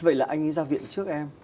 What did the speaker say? vậy là anh ấy ra viện trước em